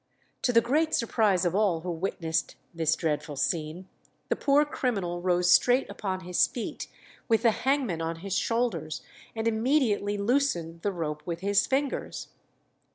"To the great surprise of all who witnessed this dreadful scene, the poor criminal rose straight upon his feet, with the hangman on his shoulders, and immediately loosened the rope with his fingers."